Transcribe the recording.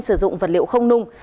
sử dụng vật liệu không nung